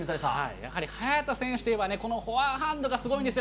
やはり早田選手といえばね、このフォアハンドがすごいんですよ。